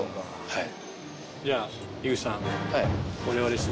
はい。